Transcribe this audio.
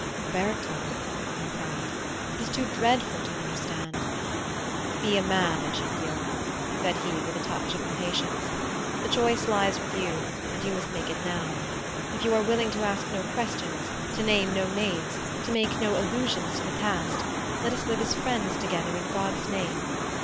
"Roberto," I cried, "it is too dreadful to understand!" "Be a man, Egidio," said he with a touch of impatience. "The choice lies with you, and you must make it now. If you are willing to ask no questions, to name no names, to make no allusions to the past, let us live as friends together, in God's name!